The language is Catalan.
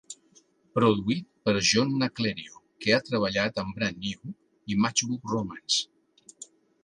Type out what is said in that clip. Produït per John Naclerio, que ha treballat amb Brand New i Matchbook Romance.